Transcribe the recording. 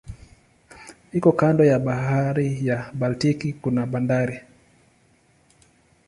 Iko kando ya bahari ya Baltiki kuna bandari.